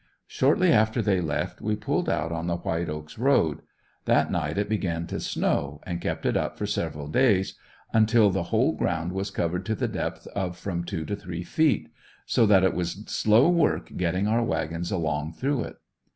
Shortly after they left we pulled out on the White Oaks road. That night it began to snow, and kept it up for several days until the whole ground was covered to the depth of from two to three feet; so that it was slow work getting our wagons along through it.